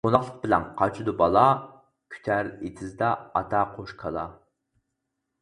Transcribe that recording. قوناقلىق بىلەن قاچىدۇ بالا، كۈتەر ئېتىزدا ئاتا، قوش، كالا.